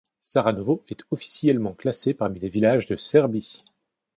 Saranovo est officiellement classé parmi les villages de Serbie.